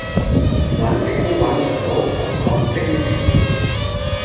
搵極都搵唔到紅磡昇御門